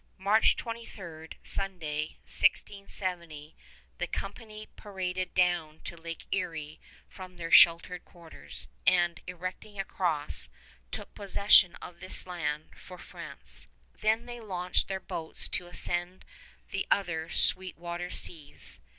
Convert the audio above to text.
March 23 (Sunday), 1670, the company paraded down to Lake Erie from their sheltered quarters, and, erecting a cross, took possession of this land for France. Then they launched their boats to ascend the other Sweet Water Seas.